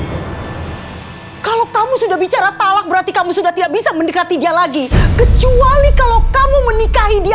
kurang karena kalau kamu sudah bicara talak berarti kamu sudah tidak bisa mendekati dia lagi kecuali kelop knafe dia kawan atau bingungnya